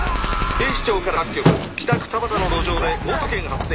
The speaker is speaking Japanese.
警視庁から各局北区田端の路上で強盗事件発生。